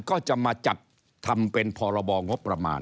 ก็จะมาจัดทำเป็นพรบงบประมาณ